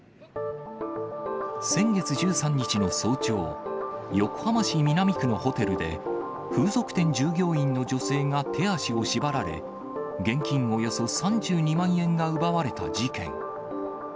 先月１３日の早朝、横浜市南区のホテルで、風俗店従業員の女性が手足を縛られ、現金およそ３２万円が奪われた事件。